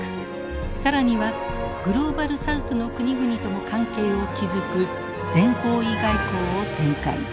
更にはグローバルサウスの国々とも関係を築く全方位外交を展開。